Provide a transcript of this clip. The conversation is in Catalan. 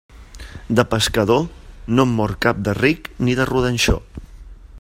De pescador, no en mor cap de ric ni de rodanxó.